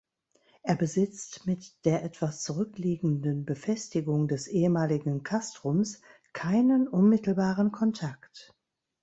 Er besitzt mit der etwas zurückliegenden Befestigung des ehemaligen „Castrums“ keinen unmittelbaren Kontakt.